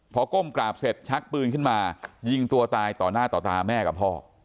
พอก้มกราบเสร็จชักปืนขึ้นมายิงตัวตายต่อหน้าต่อตาแม่กับพ่อ